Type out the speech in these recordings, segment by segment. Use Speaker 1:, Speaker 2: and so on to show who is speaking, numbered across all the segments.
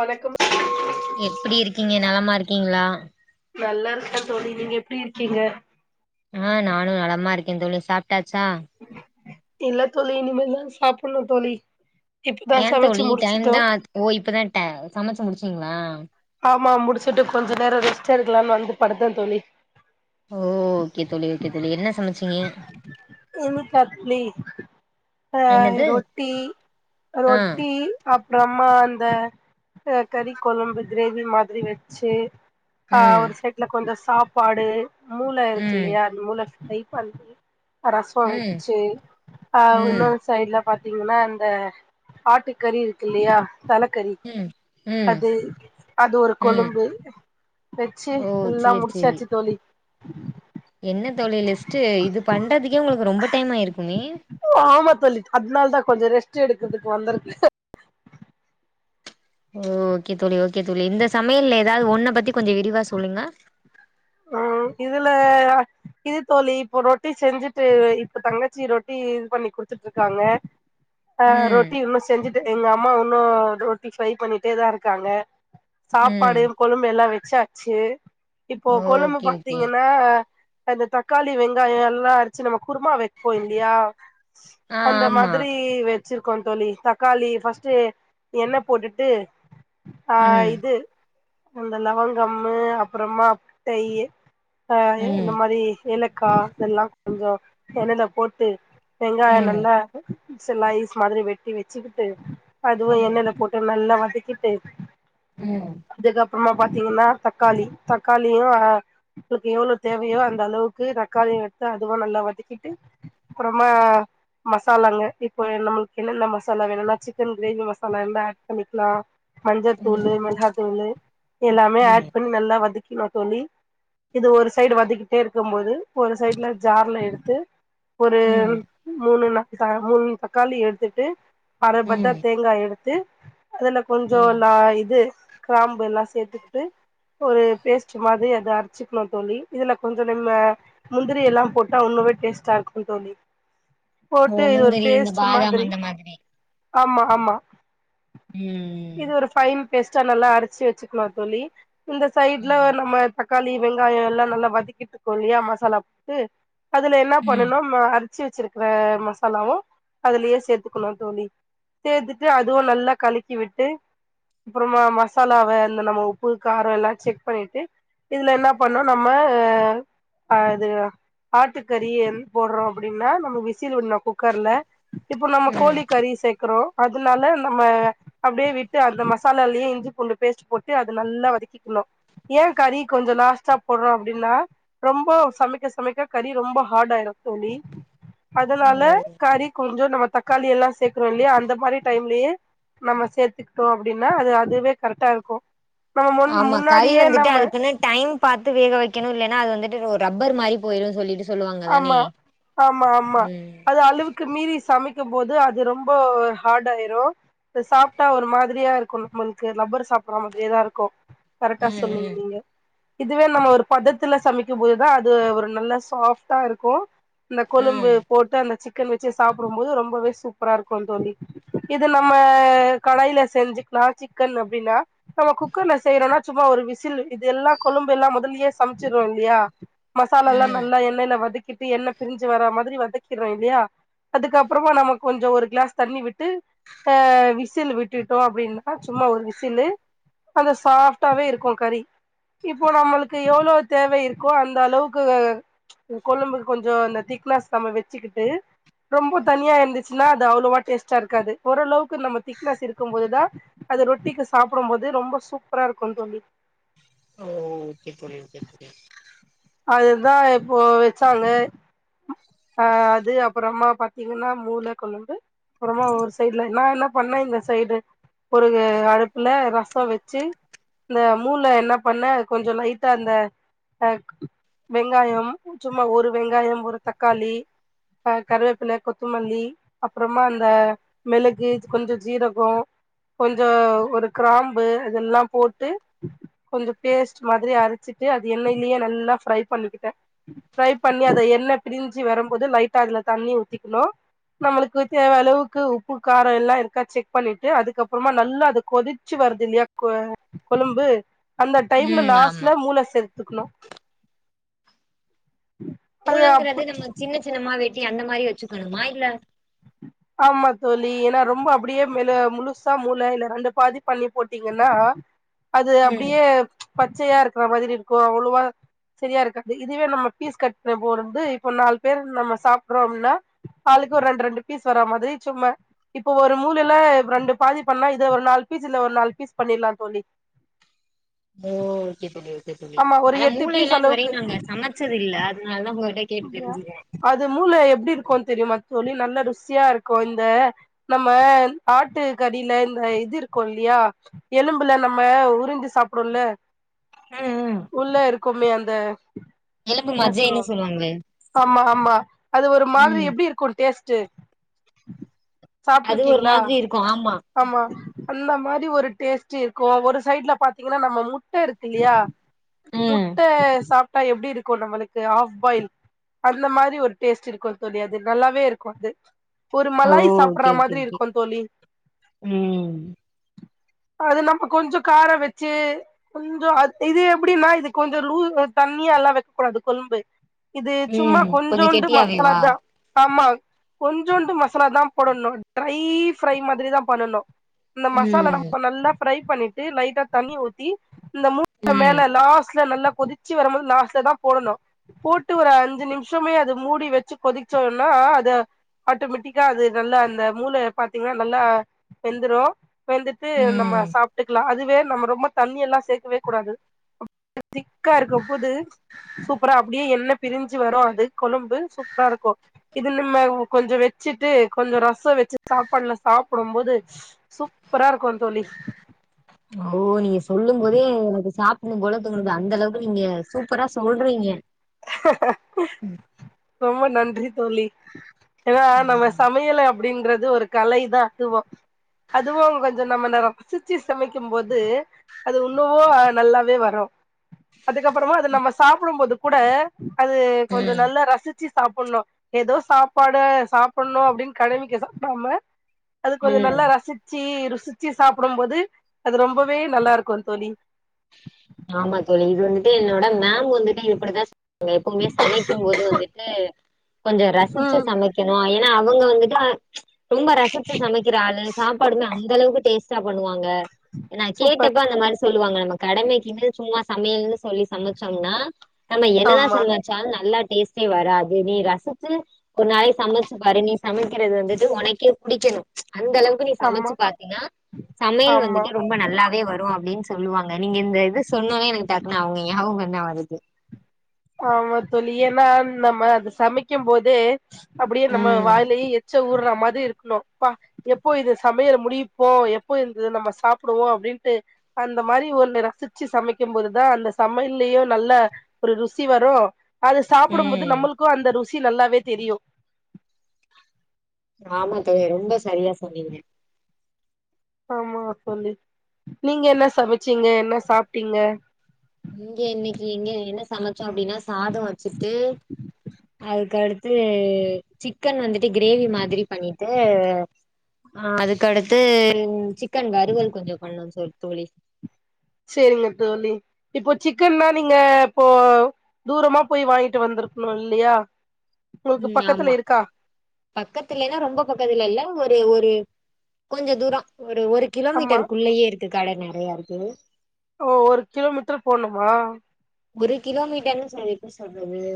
Speaker 1: வணக்கம்
Speaker 2: எப்டி இருக்கீங்க நலமா இருக்கீங்களா
Speaker 1: நல்லா இருக்க தோழி நீங்க எப்டி இருக்கீங்க
Speaker 2: ஆ நானு நலமா இருக் கேந் தோழி சாப் ட்டாச்சா
Speaker 1: இல்ல தோழி இனிமேல்தா சாப்புடணும் தோழி இப்பதா
Speaker 2: ஏந்
Speaker 1: சமைச்சு
Speaker 2: தோழி டைம்
Speaker 1: முடிச்சுட்டோ
Speaker 2: தா ஓ இப்பதா ட சமச்சு முடுச் சீங்களா
Speaker 1: ஆமா முடுச்சுட்டு கொஞ்சோ நேரோ ரெஸ்ட் எடுக்கலான் வந்து படுத்தந் தோழி
Speaker 2: ஓ ஓகே தோழி ஓகே தோழி என்ன சமச்சீங்க
Speaker 1: என்னக்கா தோழி அ ரொட்டி
Speaker 2: ஆ
Speaker 1: ரொட்டி அப் அப்புறமா அந்த அ கறி கொழம்பு கிரேவி மாதிரி வெச்சு ஆ
Speaker 2: ம்
Speaker 1: ஒரு சைட்ல கொஞ்சஸ் சாப்பாடு மூள
Speaker 2: ம்
Speaker 1: இருக்குல்லையா அந்த மூள பிரை பண்ணி ரசோ
Speaker 2: ம்
Speaker 1: வெச்சு ஆ
Speaker 2: ம்
Speaker 1: இன்னொரு சைடுல பாத்தீங்கன்னா இந்த ஆட்டு கறி இருக்கு இல்லையா தலக்கறி
Speaker 2: ம் ம்
Speaker 1: அது அது ஒரு
Speaker 2: ம்
Speaker 1: கொழும்பு வெச்சு
Speaker 2: ஓ
Speaker 1: எல்லா
Speaker 2: சேரி சேரி
Speaker 1: முடுச்சாச்சு தோழி உம்
Speaker 2: என்ன தோழி லிஸ்ட்டு இது பண்றதுக்கே உங்களுக்கு ரொம்ப டைம் ஆயிருக்குமே
Speaker 1: ஆமா தோழி அதனால தா கொஞ்சோ ரெஸ்ட் எடுக்குறதுக்கு வந்துருக்க
Speaker 2: ஓ ஓகே தோழி ஓகே தோழி இந்த சமயல்ல எதாவது ஒன்ன பத்தி கொஞ்ச விரிவா சொல்லுங்க
Speaker 1: ஆ இதுல இது தோழி இப்ப ரொட்டி செஞ்சுட்டு இப்ப தங்கச்சி ரொட்டி இது பண்ணி குடுத்துட்டு இருக்காங்க ஆ
Speaker 2: ம்
Speaker 1: ரொட்டி இன்னு செஞ்சு த் எங்க அம்மா ஒன்னு ரொட்டி ஃபை பண்ணிட்டேதா இருக்காங்க
Speaker 2: ம்
Speaker 1: சாப்பாடு கொழும்பு எல்லா வச்சா சே போ கொழம்பு
Speaker 2: ஓகே ஓகே
Speaker 1: பாத்தீங்கன்னா அந்த த க்காளி வெங்காயோ எல்லா அரச்சி நம்ம குருமா வைப்போ இல்லியா
Speaker 2: ஆ
Speaker 1: அந்த
Speaker 2: ஆமா
Speaker 1: மாதிரி வெ ச்சிருக்கோ தோழி தக்காளி ஃபஸ்ட் எண்ணெ போட்டுட்டு ஆ
Speaker 2: ம்
Speaker 1: இது அந்த லவங்கம் அப்புறமா டைய் ஆ இந்த
Speaker 2: ம்
Speaker 1: மாரி ஏலக்கா இதெல்லா கொஞ்சோ எண்ணென்ன போட்டு வெங்காயோ
Speaker 2: ம்
Speaker 1: நல்லா சிலைஸ் மாதிரி வெட்டி வச்சிக்கிட்டு அதுவு
Speaker 2: ம்
Speaker 1: எண்ணெய்ல போட்டு நல்லா வ திக்கிட்ட
Speaker 2: ம்
Speaker 1: ப்புறமா பாத்தீங்கன்னா தக்காளி தக்காளி ளியு ஆ உங்களுக்கு எவ்ளோ தேவையோ அந்த அளவுக்கு தக்காளியு எடுத்து அதுவும் நல்லா வதக்கிட்டு அப்புறமா மசாலாங்க இப்ப நம்மளுக்கு என்னென்ன மசாலா வேணும்னா சிக்கன் கிரேவி மசாலா எந்த ஆட் பண்ணிக்கலா மஞ்சத்தூள் மிளாத்தூள் எல்லாமே
Speaker 2: ம்
Speaker 1: ஆட் பண்ணி நல்லா வதக் கிமா தோழி இது ஒரு சைடு வதக்கிட்டே இருக்கு போது ஒரு சைடுல ஜார்ல எடுத்து ஒரு
Speaker 2: ம்
Speaker 1: மூனு நா இதுக்கா மூனு தக்காளி எடுத்துட்டு அர பத்த
Speaker 2: ம்
Speaker 1: தேங்கா எடுத்து அதுல கொஞ்சோ
Speaker 2: ம்
Speaker 1: நா இது கிராம்பு எல்லா சேத்துக்கிட்டு ஒரு பேஸ்ட் மாதிரி அத அரச்சிக்கணு தோழி இதுல கொஞ்சோ நம்ம முந்திரி எல்லா போட்டா ஒன்னுமே டேஸ்ட்டா இருக்கு தோழி
Speaker 2: மு
Speaker 1: போட்டு இது ஒரு
Speaker 2: முந்திரி இந்த
Speaker 1: பேஸ்ட்
Speaker 2: பாதாம் அந்த மாதிரி
Speaker 1: ஆமா ஆமா
Speaker 2: ம்
Speaker 1: பேஸ்டா நல்லா அரச்சு வெச்சுக்கணு தோழி இந்த சைட் இதுல
Speaker 2: ம்
Speaker 1: நம்ம தக்காளி வெங்காயோ எல்லா நல்லா வதக்கிட்டு தோழி அ மசாலா போட்டு அதுல என்ன
Speaker 2: ம் ம்
Speaker 1: பண்ணனும் அ அரு ச்சு வெச்சுருக்கற மசாலாவு அதுலயே சேத்துக்கணும் தோழி சேத்துட்டு அதுவும் நல்லா கழக்கி விட்டு அப்புறமா மசாலாவ இந்த நம்ம உப்பு காரோ எல்லா செக் பண்ணிட்டு இதுல என்ன பண்ணு நம்ம அ இது ஆட்டுக்கறி போடுறோ அப்டின்னா நம்ம விஸ் விசில் விடணு குக்கர்ல இப்போ நம்ம கோழி கறி சேக்கறோ அதுனால நம்ம அப்டியே விட்டு அந்த மசாலாலயே இஞ்சி பூண்டு பேஸ்ட் போட்டு அது நல்லா வதக்கிக்கணு ஏ கறி கொஞ்சோ லாஸ்ட்டா போடுறோ அப்டின்னா ரொம்போ சமைக்க சமைக்க கறி ரொம்போ ஹாடு ஆயிரு தோழி
Speaker 2: ஓ
Speaker 1: அதனால கறி கொஞ்சோ நம்ம தக்காளி எல்லா சேக்கறோம் இல்லையா அந்த மாரி டைம்லியே நம்ம சேத்துக்கிட்டோ அப்டின்னா அது அதுவே கரெக்டா இருக்கு நம்ம முன் முன்னாட்
Speaker 2: கை வந்துட்டு அதுக்குன்னு டைம் பாத்து வேக வெக்கணு இல்லென் ரா அது வந்துட்டு ஒரு ரப்பர் மாறி போயிடு சொல்லிட்டு சொல்லுவாங்க தானே
Speaker 1: ஆமா ஆமா ஆமா
Speaker 2: ம்
Speaker 1: அது அளவுக்கு மீறி சமைக் க்கும் போது அது ரொம்போ ஹாடு ஆயிரு அது சாப்புட்டா ஒரு மாதிரியா இருக்கு நம்மளுக்கு லப்பர் சாப்புடுற மாதிரியேதா இருக்கு
Speaker 2: ம்
Speaker 1: கரெக்டா சொன்னீங்க
Speaker 2: ம்
Speaker 1: நீங்க இதுவே நம்ம ஒரு பதத்துல சமைக்கும் போதுதா அது ஒரு நல்ல சாஃப் ட்டா இருக்கு இந்த கொழம்பு
Speaker 2: ம்
Speaker 1: போட்டு அந்த சிக் சிக்கன் வெச்சு சாப்புடும் போது ரொம்பவே சூப்பரா இருக்கும் தோழி இது நம்ம கடாயில செஞ்சுக்கலா சிக்கன் அப்டின்னா நம்ம குக்கர்ல செய்யறோன்னா சும்மா ஒரு விசில் இது எல்லா கொழும்பு எல்லா மொதல்லியே சமைச்சுருவோ இல்லியா மசாலா எல்லா
Speaker 2: ம்.
Speaker 1: நல்லா எண்ணெயில வதக்கிட்டு எண்ண பிருஞ்சு வர மாதிரி வதக்கிறோ இல்லியா அதுக்கப்புறமா நமக்கு கொஞ்சோ ஒரு கிளாஸ் தண்ணி விட்டு அ விசில் விட்டுட்டோ அப்டின்னா சும்மா ஒரு விசில்லு அந்த சாஃப்டாவே இருக்கும் கறி இப்போ நம்மளுக்கு எவ்வளோ தேவை இருக்கோ அந்த அளவுக்கு வேக கொழும்புக்கு கொஞ்சோ அந்த திக்னஸ் நம்ம வெச்சுக்கிட்டு ரொம்போ தண்ணியா இருந்துச்சுன்னா அது அவ்வளோவா டேஸ்ட்டா இருக்காது ஓரளவுக்கு நம்ம திக்னஸ் இருக்கும் போதுதா அது ரொட்டிக்கு சாப்புடும் போது ரொம்ப சூப்பரா இருக்குந் தோழி
Speaker 2: ஓ ஓகே தோழி ஓகே தோழி
Speaker 1: அதுதா இப்போது வெச்சாங்க அ அது அப்புறமா பாத்தீங்கன்னா மூள கொழம்பு அப்புறமா ஒரு சைடுல நா என்னப் பண்ண இந்த சைடு ஒரு அடுப்புல ரசோ வெச்சு இந்த மூள என்ன பண்ண கொஞ்சோ லைட்டா அந்த அ வெங்காயம் சும்மா ஒரு வெங்காயம் ஒரு தக்காளி அ கருவேப்பில கொத்தமல்லி அப்புறமா அந்த மிளகு கொஞ்சோ ஜீரகோ கொஞ்சோ ஒரு கிராம்பு அதெல்லாம் போட்டு கொஞ்சோ பேஸ்ட் மாதிரி அரச்சுட்டு அது எண்ணெய்லயே நல் நல்லா ஃரை பண்ணிக்கிட்ட ஃரை பண்ணி அத எண்ண பிரிஞ்சு வரம்போது லைட்டா அதுல தண்ணி ஊத்திக்கணு நம்மளுக்கு தேவ அளவுக்கு உப்பு காரோ எல்லா இருக்கா செக் பண்ணிட்டு அதுக்கப்புறமா நல்லா அத கொதுச்சு வருது இல்லியா கொ கொழம்பு அந்த டைம்ல
Speaker 2: ம் ஆமா
Speaker 1: லாஸ்ட்ல மூள சேத்துக்கனு அது அப்
Speaker 2: மூளங்குறது நம்ம சின்ன சின்னமா வெட் டி அந்த மாரி வெச்சுக்கணுமா இல்ல
Speaker 1: ஆமா தோழி ஏன்னா ரொம்ப அப்டியே மெழு முழுசா மூள இல்ல ரெண்டு பாதி பண்ணி போட்டீங்கன்னா அது
Speaker 2: ம்
Speaker 1: அப்டியே பச்சையா இருக் இருக்குற மாதிரி இருக்கு அவ்வளவா சரியா இருக்காது இதுவே நம்ம ஃபீஸ் கட்ன போர்றது இப்ப நாலு பேர் நம்ம சாப்புடுறோ அப்டின்னா ஆலுக்கு ஒரு ரெண் ரெண்டு ஃபீஸ் வர மாதிரி சும்மா இப்ப ஒரு மூளைல ரெண்டு பாதி பண்ணா இதுல ஒரு நாலு ஃபீஸ் இல்ல ஒரு நாலு ஃபீஸ் பண்ணிடலாம் தோழி
Speaker 2: ஓ ஓகே தோழி ஓகே தோழி ஓகே தோழி
Speaker 1: ஆமா ஒரு
Speaker 2: ஆனா
Speaker 1: எட்டு பீஸ்
Speaker 2: மூளையல்லா இது வரை
Speaker 1: அளவுக்கு
Speaker 2: நாங்க சமச்சதில்ல அதுனாலதா உங்ககிட்ட கேட்டு
Speaker 1: அப்டியா
Speaker 2: தெரிஞ்சுக்கிறே
Speaker 1: அது மூள் மூள எப்டி இருக்கு தெரியுமா தோழி நல்லா ருசியா இருக்கு இந்த நம்ம ஆட்டு கறில இந்த இது இருக்கு இல்லியா எலும்புல நம்ம உறிஞ்சி சாப்புடுவோல்ல உள்ள இருக்குமே அந் ந்த
Speaker 2: எலும்பு மஜ்ஜைன்னு சொல்லு
Speaker 1: ஆமா ஆமா அது ஒரு மாதிரி எப்டி இருக்கு டேஸ்ட் ட்டு
Speaker 2: அது ஒரு மாதிரி இருக்கு ஆமா
Speaker 1: அந்த மாரி ஒரு டேஸ்ட்டு இருக்கு ஒரு சைடுல பாத்தீங்கன்னா நம்ம முட்ட இருக்கு இல்லியா முட்ட சாப் ட்டா எப்டி இருக்கு நம்மளுக்கு ஆஃப் பாயில் அந்த மாரி ஒரு டேஸ்ட்டு இருக்கு தோழி அது நல்லாவே இருக்கு அது ஒரு
Speaker 2: ஓ
Speaker 1: மலாய் சாப்புடுற
Speaker 2: ஓகே ஓகே
Speaker 1: மாதிரி
Speaker 2: ஓகே
Speaker 1: இருக்குந் தோழி
Speaker 2: ம்
Speaker 1: அது நம்ம கொஞ்சோ கார வெச்சு கொஞ்சோ அது இது எப்டின்னா அது கொஞ்சோ லூ தண்ணியா எல்லா வெக்கக்கூடாது கொழும்பு இது சும்மா
Speaker 2: ம் கொஞ்சோ
Speaker 1: கொஞ்சூண்டு
Speaker 2: கெட்டியாவேவா
Speaker 1: மசாலாதா ஆம்மா கொஞ்சூண்டு மசாலாதாம் போடணு ட்ரை ஃப்ரை மாதிரி தா பண்ணனு இந்த மசாலா
Speaker 2: ம்
Speaker 1: நம்ம நல்லா ஃரை பண்ணிட்டு லைட்டா தண்ணி ஊத்தி இந்த மூள
Speaker 2: ம்
Speaker 1: மேல லாஸ்ட்ல நல்லா கொதுச்சு வரும்போது லாஸ்ட்லதாம் போடணு போட் ட்டு ஒரு அஞ்சு நிம்ஷமே அது மூடி வெச்சு கொதிச்சோனா ஆ அத ஆட்டோமேட்டிக்கா அது நல்லா அந்த மூளைய பாத்தீங்கன்னா நல்லா வெந்துரு வெந்துட்டு நம்ம
Speaker 2: ம்
Speaker 1: சாப்புட்டுக்கலா அதுவே நம்ம ரொம்ப தண்ணி எல்லா சேக்கவே கூடாது [inaudible] திக்கா இருக்கும் போது சூப்பரா அப்டியே எண்ண பிரிஞ்சு வரு அது கொழும்பு சூப்பரா இருக்கு இது நிம்ம கொஞ்சோ வெச்சுட்டு கொஞ்சோ ரசோ வெச்சு சாப்பாடுல சாப்புடும் போது சூப்பரா இருக் குந் தோழி
Speaker 2: ஓ நீங்க சொல்லும் போதே எனக்கு சாப்புடணும் போல தோணுது அந்த அளவுக்கு நீங்க சூப்பரா சொல்றீங்க
Speaker 1: அஹ ரொம்ப நன்றி தோழி ஏன்னா நம்ம
Speaker 2: ம்
Speaker 1: சமையல அப்டின்றது ஒரு கலைதா அதுவு அதுவு கொஞ்ச நம்ம நேரோ ரசிச்சி சமைக்கும்போது அது இன்னவு நல்லாவே வரு அதுக்கப்புறமா அது நம்ம சாப்புடும்போது கூட அது கொஞ்ச
Speaker 2: ம்
Speaker 1: நல்லா ரசி ச்சு சாப்பட்ணு எதோ சாப்பாடு சாப்பட்ணு அப்டின்னு கடமைக்கி சாப்டாம அது கொஞ்ச
Speaker 2: ம்
Speaker 1: நல்லா ரசிச்சி ருசிச்சி சாப்புடும்போது அது ரொம்பவே நல்லா இருக்கு தோழி
Speaker 2: ஆமா தோழி இது வந்துட்டு என்னோட மேம் வந்துட்டு இப்பிடிதா நீங்க எப்பவுமே சமைக்கும் போது வந்துட்டு கொஞ்ச ரசிச்சு
Speaker 1: ம்
Speaker 2: சமைக்கணு ஏ ன்னா அவங்க வந்துட்டு ஆ ரொம்ப ரசிச்சு சமைக்கிற ஆளு சாப்பாடுனா அந்த அளவுக்கு டேஸ்ட் டா பண்ணுவாங்க நா
Speaker 1: சூப்பர்
Speaker 2: கேட்டப்ப அந்த மாரி சொல் லுவாங்க நம்ம கடமைக் கின்னு சும்மா சமையல்னு சொல்லி சமைச்சோம்னா நம்ம என்னதா
Speaker 1: ஆமா
Speaker 2: சமைச்சாலு நல்லா டேஸ்ட்டே வராது நீ ரசிச்சு ஒரு நாளைக்கி சமைச்சு பாரு நீ சமைக்கிறது வந்துட்டு உனக்கே புடிக்கணு அந்த அளவுக்கு நீ
Speaker 1: ஆமா
Speaker 2: சமைச்சு பாத்தீன்னா சமையல்
Speaker 1: ஆமா
Speaker 2: வந்துட்டு ரொம்ப நல்லாவே வரு அப்டின்னு சொல்லுவாங்க நீங்க இந்த இது சொன்னவுனே எனக்கு டக்குன்னு அவுங்க ஞாவகந்தா வருது
Speaker 1: ஆமா தோழி ஏன்னா நம்ம அது சமைக்கும் போதே அப்பிடியே நம்ம
Speaker 2: ம்
Speaker 1: வாயிலயே எச் ச ஊறறா மாரி இருக்கணு ப்பா எப்போ இது சமையல முடிப்போ எப்போ இத நம்ம சாப்புடுவோ அப்டின்ட்டு அந்த மாரி ஒன்ன ரசிச்சு சமைக்கும் போதுதா அந்த சமையல்லயு நல்ல ஒரு ரு சி வரு அது சாப்புடும்போது
Speaker 2: ம்
Speaker 1: நம்மளுக்கு அந்த ரு சி நல்லாவே தெரியு
Speaker 2: ஆமா தோழி ரொம்ப சரியா சொன்னீங்க
Speaker 1: ஆமா தோழி நீங்க என்ன சமச்சீங்க என்ன சாப்ட்டீங்க
Speaker 2: இங்க இன்னக்கி இங்க என்ன சமைச்சோ அப்டின்னா சாதோ வச்சிட்டு அதுக்கடுத்து சிக்கன் வந்துட்டு கிரேவி மாதிரி பண்ணிட்டு ஆ அதுக்கடுத்து சிக் கன் வறுவள் கொஞ்சோ பண்ணம் சொல் தோழி
Speaker 1: சேரிங்க தோழி இப்போ சிக்கன்னா நீங்க இப்போ தூரமா போய் வாங்கிட்டு வந்துருக்கணு இல்லியா
Speaker 2: ம் ஆமா பக்கத்துலன்னா ரொம்ப பக்கத்துல இல்ல ஒர் டே ஒரு கொஞ்ச தூரோ ஒரு ஒரு
Speaker 1: ஆமா
Speaker 2: கிலோமீட்டருக்குள்ளயே இருக்கு கடங்க நறையா இருக்கு
Speaker 1: ஓ ஒரு கிலோமீட்டர் போணுமா
Speaker 2: ஒரு கிலோமீட்டர்ன் சார்க்க சொல்றது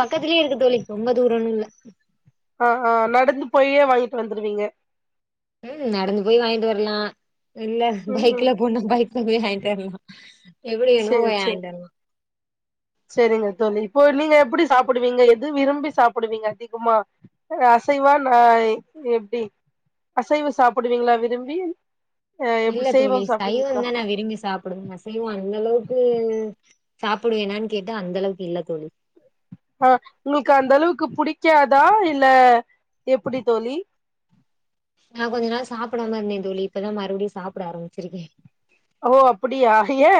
Speaker 2: பக்கத்துலயே இருக்கு தோழி ரொம்ப தூரோன் இல்ல
Speaker 1: அ ஆ நடந்து போயே வாங்கிட்டு வந்துருவீங்க
Speaker 2: ம் நடந்து போய் வாங்கிட்டு வர்லா இல்ல
Speaker 1: ம் ம்
Speaker 2: பைக்ல போனா பைக் [unintelligible] வாங்கிட்டு வர்லா எப்டி வேணுமோ
Speaker 1: சேரி
Speaker 2: போய்
Speaker 1: சேரி
Speaker 2: வாங்கிட்டு வர்லா
Speaker 1: சேரிங்க தோழி இப்போ நீங்க எப்டி சாப்புடுவீங்க எது விரும்பி சாப்புடுவீங்க அதிகமா அசைவா நா எப்டி அசைவ சாப்புடுவீங்களா விரும்பி அ எப்டி
Speaker 2: இல்ல தோழி
Speaker 1: சைவம் சாப்புடுவீங்களா
Speaker 2: சைவம்தா நா விரும்பி சாப்புடுவ அசைவோ அந்த அளவுக்கு சாப்புடுவேனான் கேட்டா அந்தளவுக்கு இல்ல தோழி
Speaker 1: ஆ உங்களுக்கு அந்த அளவுக்கு புடிக்காதா இல்ல எப்டி தோழி
Speaker 2: நா கொஞ்ச நாள் சாப்புடாம இருந்தே தோழி இப்பதா மறுபடியு சாப்புட ஆரம்பிச்சிருக்கே
Speaker 1: ஓ அப்புடியா ஏ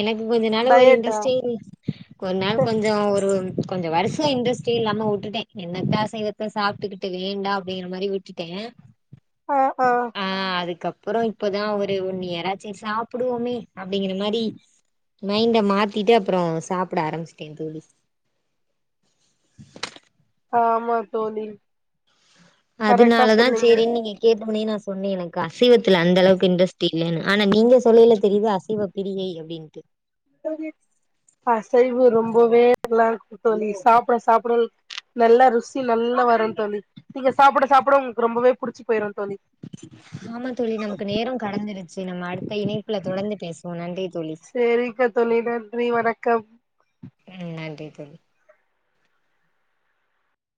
Speaker 2: எனக்கு கொஞ்சோ நாளா ஒரு
Speaker 1: டயட்டா
Speaker 2: இன்ட்ரெஸ்டே ஒரு நாள் கொஞ்சோ ஒரு கொஞ்ச வருஷோ இன்ட்ரஸ்டே இல்லாம உட்டுட்டே என்னத்த அசைவத்த சாப்புட்டுக்கிட்டு வேண்டா அப்டிங்கிற மாரி விட்டுட்டே ஆ அதுக்கப் அப்புறோ இப்பதா ஒரு ஒன்னியராச்சு சாப்டுவோமே அப்டிங்கிற மாரி மைண்ட மாத்திட்டு அப்புறோ சாப்புட ஆரம்பிச்சுட்டே தோழி
Speaker 1: ஆ ஆமா தோழி கரெக்டா
Speaker 2: அதனாலதா
Speaker 1: சொன்னீங்க
Speaker 2: சேரின் நீங்க கே வந்தவொனே நா சொன்னே எனக்கு அசைவத்துல அந்த அளவுக்கு இன்ட்ரெஸ்ட் இல்லன்னு ஆனா நீங்க சொல்லீல தெரியுது அசைவ பிரியை அப்டின்ட்டு
Speaker 1: தோழி அசைவ ரொம்பவே நல்லா இருக்கும் தோழி சாப்புட சாப்பட நல்லா ருசி நல்லா வரும் தோழி நீங்க சாப்புட சாப்புட உங்களுக்கு ரொம்பவே புடுச்சு போயிரும்
Speaker 2: ஆமா தோழி நமக்கு நேரோ கடந்துருச்சு நம்ம அடுத்த இணைப்புல தொடந்து பேசுவோம் நன்றி தோழி
Speaker 1: சேரிக்க தோழி நன்றி வணக்கம்
Speaker 2: ம் நன்றி தோழி